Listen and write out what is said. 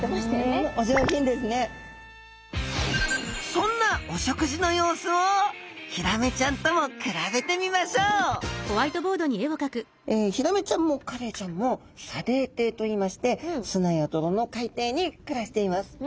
そんなお食事の様子をヒラメちゃんとも比べてみましょうヒラメちゃんもカレイちゃんも砂泥底といいまして砂や泥の海底に暮らしています。